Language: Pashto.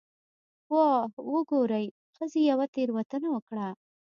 'واه وګورئ، ښځې یوه تېروتنه وکړه'.